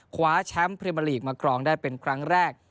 คว้าแชมป์พรีเมอร์ลีกมากรองได้เป็นครั้งแรก